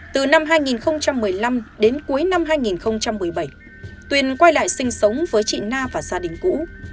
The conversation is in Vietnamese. từ năm hai nghìn một mươi năm đến cuối năm hai nghìn một mươi bảy tuyền quay lại sinh sống với chị na và gia đình cũ